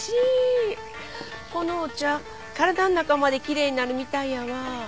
このお茶体ん中まできれいになるみたいやわ。